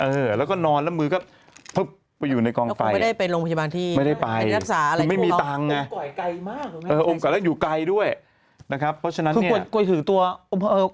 เออแล้วก็นอนแล้วมือก็อยู่ในกองไฟแล้วคุณไม่ได้ไปโรงพยาบาลที่รักษาอะไร